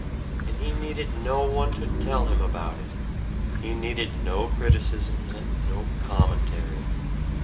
And he needed no one to tell him about it he needed no criticisms and no commentaries.